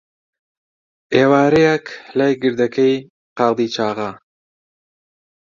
ئێوارەیەک، لای گردەکەی قالیچاغا،